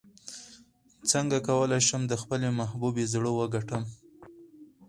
څنګه کولی شم د خپلې محبوبې زړه وګټم